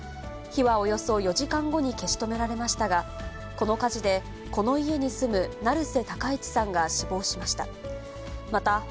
火はおよそ４時間後に消し止められましたが、この火事でこの家に住む成瀬高一さんが死亡しました。